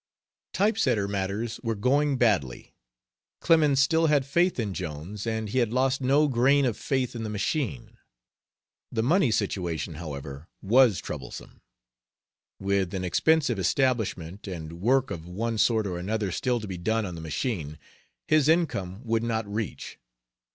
Type setter matters were going badly. Clemens still had faith in Jones, and he had lost no grain of faith in the machine. The money situation, however, was troublesome. With an expensive establishment, and work of one sort or another still to be done on the machine, his income would not reach.